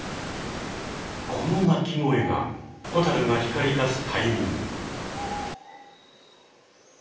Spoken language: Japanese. この鳴き声がホタルが光りだすタイミング。